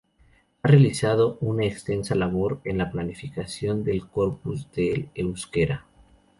Ha realizado una extensa labor en la planificación del corpus del euskera.